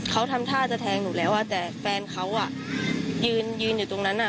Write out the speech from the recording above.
เขาทำท่าจะแทงหนูแล้วแต่แฟนเขาอ่ะยืนยืนอยู่ตรงนั้นอ่ะ